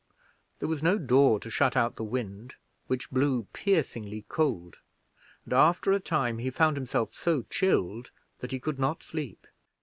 There was no door to shut out the wind, which blew piercingly cold and after a time he found himself so chilled that he could not sleep.